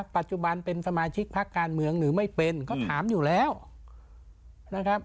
ปัจจุบันเป็นสมาชิกพักการเมืองหรือไม่เป็นเขาถามอยู่แล้วนะครับ